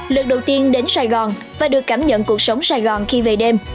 lần đầu tiên đến sài gòn và được cảm nhận cuộc sống sài gòn khi về đêm